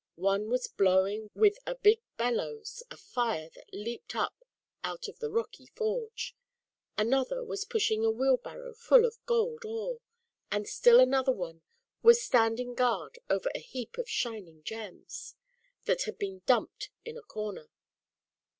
One was blowing with a big bellows a fire that leaped up out of the rocky forge. Another was pushing a wheel barrow full of gold ore, and still another one was standing guard over a heap of shining gems, that had been dumped in a corner.